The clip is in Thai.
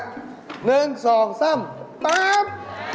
ตั๊บ